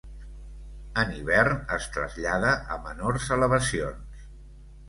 En hivern es trasllada a menors elevacions.